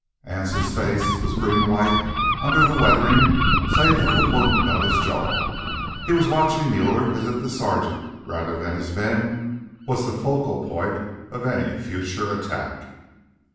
Anse's face was green white under the weathering, save for the wound on his jaw. He was watching Muller as if the sergeant, rather than his men, was the focal point of any future attack.